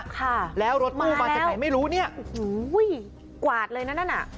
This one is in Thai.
ค่ะมาแล้วอุ้ยกวาดเลยนะแล้วรถมาจากไหนไม่รู้